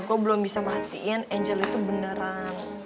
gue belum bisa pastiin angel itu beneran